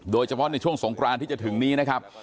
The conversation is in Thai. โดยเฉพาะในช่วงสงครานที่จะถึงนี้นะครับ